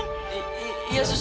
ya ya sus